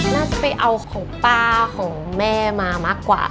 น่าจะไปเอาของป้าของแม่มามากกว่า